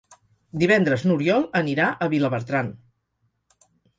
Divendres n'Oriol anirà a Vilabertran.